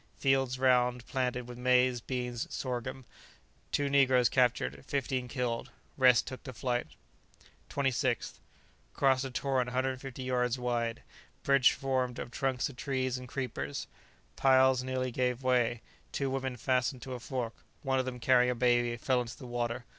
Fields round planted with maize, beans, and sorghum. Two negroes captured, fifteen killed, rest took to flight. 26th. Crossed a torrent 150 yards wide. Bridge formed of trunks of trees and creepers. Piles nearly gave way; two women fastened to a fork; one of them, carrying a baby, fell into the water.